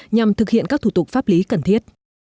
nhằm thực hiện các thủ tục pháp lý cần thiết